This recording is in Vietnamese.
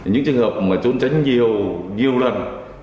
những trường hợp mà trốn tránh nhiều nhiều lần